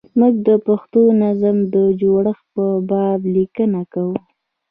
موږ د پښتو نظم د جوړښت په باب لیکنه کوو.